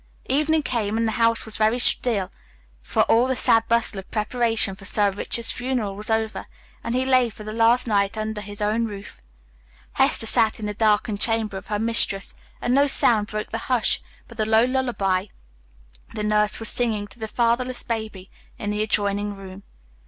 Evening came, and the house was very still, for all the sad bustle of preparation for Sir Richard's funeral was over, and he lay for the last night under his own roof. Hester sat in the darkened chamber of her mistress, and no sound broke the hush but the low lullaby the nurse was singing to the fatherless baby in the adjoining room.